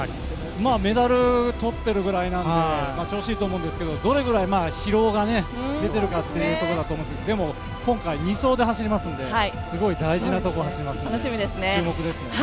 メダルをとってるぐらいなので調子いいと思うんですけどどれくらい疲労が出ているかというところででも、今回２走を走りますのですごく大事なところですので注目ですね。